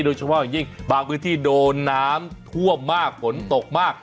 โดยเฉพาะอย่างยิ่งบางพื้นที่โดนน้ำท่วมมากฝนตกมาก